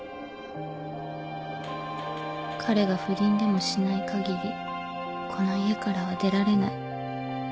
彼が不倫でもしないかぎりこの家からは出られない。